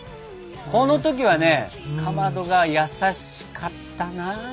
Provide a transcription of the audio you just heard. この時はねかまどが優しかったなあ！